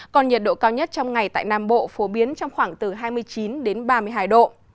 còn nhiệt độ cao nhất trong ngày tại nam bộ phổ biến trong khoảng từ hai mươi chín đến ba mươi hai độ